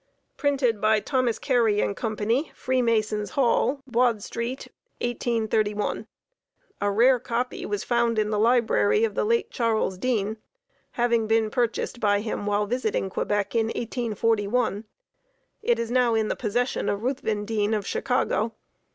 Printed by Thomas Cary & Co., Freemasons' Hall, Buade Street, 1831. A rare copy was found in the library of the late Charles Dean, having been purchased by him while visiting Quebec in 1841. It is now in the possession of Ruthven Deane of Chicago.